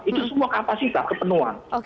itu semua kapasitas kepenuhan